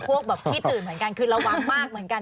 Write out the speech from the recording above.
พวกพี่ตื่นเหมือนกัน